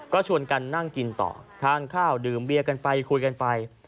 ก็ชวนกันนั่งกินต่อทานข้าวดื่มเบียกันไปคุยกันไป